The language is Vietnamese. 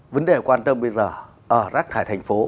vấn đề quan tâm bây giờ ở rác thải thành phố